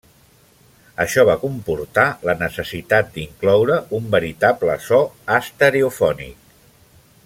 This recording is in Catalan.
Això va comportar la necessitat d'incloure un veritable so estereofònic.